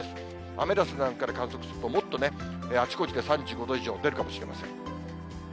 アメダスなんかで観測すると、もっとね、あちこちで３５度以上出るかもしれません。